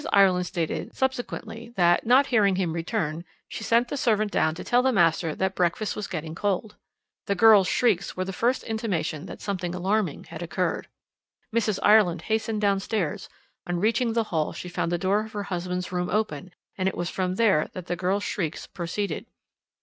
Ireland stated subsequently that, not hearing him return, she sent the servant down to tell the master that breakfast was getting cold. The girl's shrieks were the first intimation that something alarming had occurred. "Mrs. Ireland hastened downstairs. On reaching the hall she found the door of her husband's room open, and it was from there that the girl's shrieks proceeded.